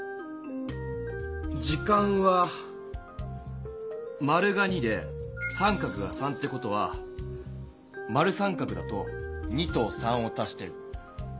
時間は○が２で△が３って事は○△だと２と３を足して５。